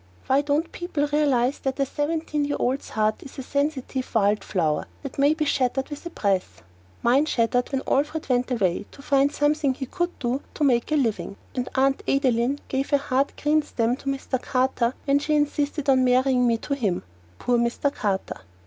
Why don't people realise that a seventeen year old girl's heart is a sensitive wind flower that may be shattered by a breath? Mine shattered when Alfred went away to find something he could do to make a living, and Aunt Adeline gave the hard green stem to Mr. Carter when she insisted on marrying me to him. Poor Mr. Carter!